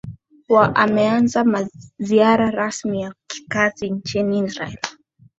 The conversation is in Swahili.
wa ameanza ziara rasmi ya kikazi nchini israel